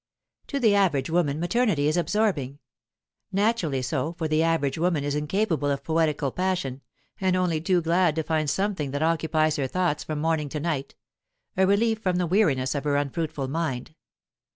To the average woman maternity is absorbing. Naturally so, for the average woman is incapable of poetical passion, and only too glad to find something that occupies her thoughts from morning to night, a relief from the weariness of her unfruitful mind.